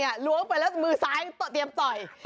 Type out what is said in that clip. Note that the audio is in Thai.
รอบแรกล้วนไปแล้วมือซ้ายเตรียมต่อย